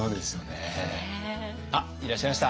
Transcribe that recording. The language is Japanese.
あっいらっしゃいました。